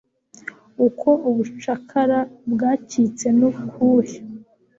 Uko ubucakara bwacitse n'ukuhe